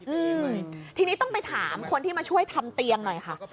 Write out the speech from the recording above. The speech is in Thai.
อืมทีนี้ต้องไปถามคนที่มาช่วยทำเตียงหน่อยค่ะ